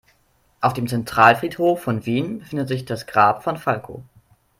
Auf dem Zentralfriedhof von Wien befindet sich das Grab von Falco.